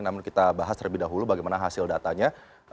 namun kita bahas terlebih dahulu bagaimana hasil datanya